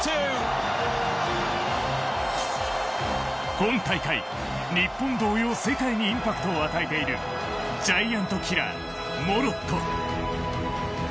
今大会、日本同様世界にインパクトを与えているジャイアントキラー・モロッコ。